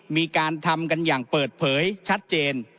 มีการทำกันอย่างเปิดเผยชัดเจน